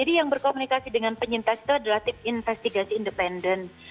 jadi yang berkomunikasi dengan penyintas itu adalah tim investigasi independen